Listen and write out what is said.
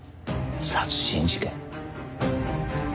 殺人事件？